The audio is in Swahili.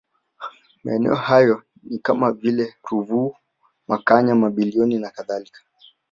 Maeneo hayo ni kama vile Ruvu Makanya Mabilioni na kadhalika